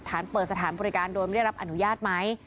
สถานเปิดสถานบริการโดยไม่ได้รับอนุญาตไหม